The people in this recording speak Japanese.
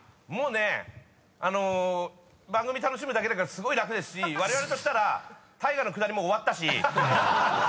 もうね番組楽しむだけだからすごい楽ですしわれわれとしたらＴＡＩＧＡのくだりも終わったし。